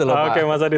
oke mas adi